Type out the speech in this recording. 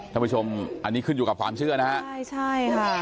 ท่านผู้ชมอันนี้ขึ้นอยู่กับความเชื่อนะฮะใช่ใช่ค่ะ